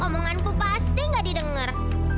omonganku pasti tidak didengar